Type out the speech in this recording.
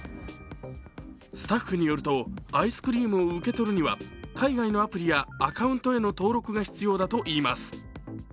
スタッフによると、アイスクリームを受け取るには海外のアプリやアカウントへの登録が必要だといいます。